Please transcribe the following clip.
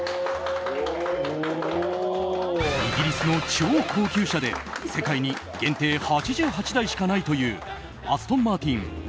イギリスの超高級車で世界に限定８８台しかないというアストンマーティンＶ１２